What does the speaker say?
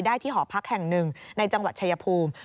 ได้ที่หอพักแห่งหนึ่งในจังหวัดชายภูมิ